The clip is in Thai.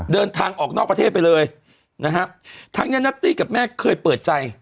เดินทางออกนอกประเทศไปเลยนะฮะทั้งนี้นัตตี้กับแม่เคยเปิดใจ